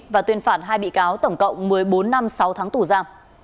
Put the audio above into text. và tuyên phản hai bị cáo tổng cộng một mươi bốn năm sáu tháng tù ra